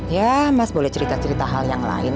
ya mas boleh cerita cerita hal yang lain